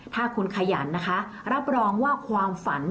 ถ้าคุณขยันนะคะรับรองว่าความฝัน